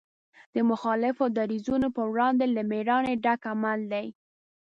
د مخالفو دریځونو په وړاندې له مېړانې ډک عمل دی.